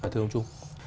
thưa ông trung